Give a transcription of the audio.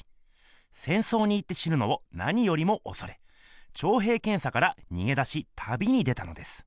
戦争に行って死ぬのをなによりもおそれ徴兵検査からにげ出し旅に出たのです。